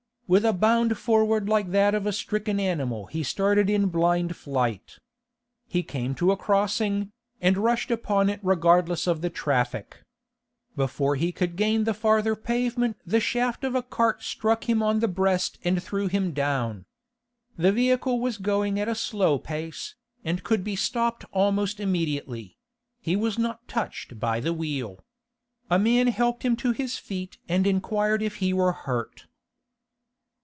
With a bound forward like that of a stricken animal, he started in blind flight. He came to a crossing, and rushed upon it regardless of the traffic. Before he could gain the farther pavement the shaft of a cart struck him on the breast and threw him down. The vehicle was going at a slow pace, and could be stopped almost immediately; he was not touched by the wheel. A man helped him to his feet and inquired if he were hurt.